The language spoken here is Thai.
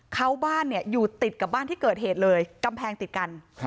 เขาบ้านเนี่ยอยู่ติดกับบ้านที่เกิดเหตุเลยกำแพงติดกัน